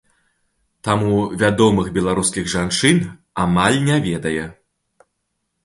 Таму вядомых беларускіх жанчын амаль не ведае.